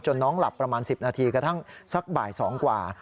น้องหลับประมาณ๑๐นาทีกระทั่งสักบ่าย๒กว่า